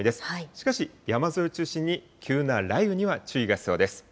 しかし、山沿いを中心に、急な雷雨には注意が必要です。